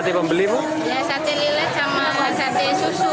di bulan puasa ini sate susu